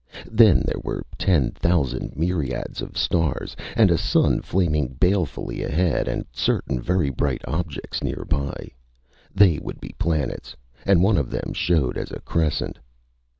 Then there were ten thousand myriads of stars, and a sun flaming balefully ahead, and certain very bright objects nearby. They would be planets, and one of them showed as a crescent.